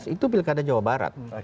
itu pilkada jawa barat